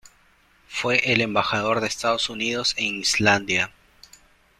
Fue el Embajador de Estados Unidos en Islandia.